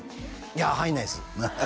いや入んないです